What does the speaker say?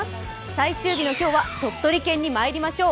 最終日の今日は鳥取県に参りましょう。